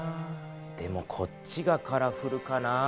でもこっちがカラフルかな？